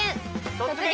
「突撃！